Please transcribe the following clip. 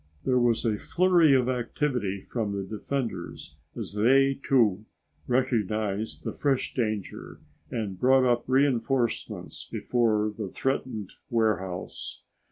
There was a flurry of activity from the defenders as they, too, recognized the fresh danger and brought up reinforcements before the threatened warehouse.